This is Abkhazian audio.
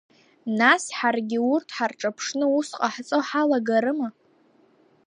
Нас ҳаргьы урҭ ҳарҿыԥшны ус ҟаҳҵо ҳалагарыма?